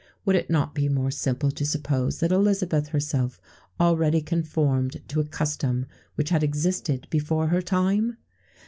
Would it not be more simple to suppose that Elizabeth herself already conformed to a custom which had existed before her time?